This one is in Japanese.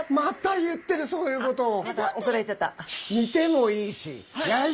また怒られちゃった。